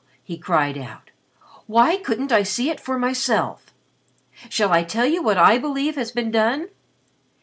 he cried out. "Why couldn't I see it for myself! Shall I tell you what I believe has been done?